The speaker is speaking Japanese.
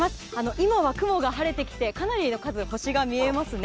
今は雲が晴れてきてかなりの数星が見えますね。